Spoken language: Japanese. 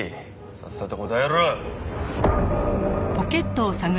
さっさと答えろ。